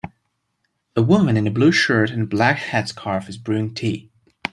A woman in a blue shirt and a black headscarf is brewing tea